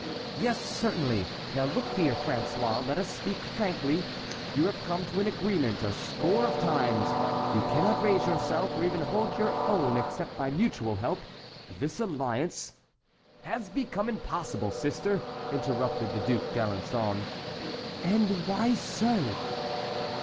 "Yes, certainly. Now look here, François; let us speak frankly. You have come to an agreement a score of times; you cannot raise yourself or even hold your own except by mutual help. This alliance"— "Has now become impossible, sister," interrupted the Duc d'Alençon. "And why so?"